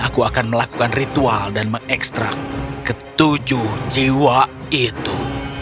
aku akan melakukan ritual dan mengekstrak ketujuh jiwa itu